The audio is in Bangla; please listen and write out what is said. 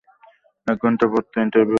এক ঘন্টা পর তোর ইন্টারভিউ আছে।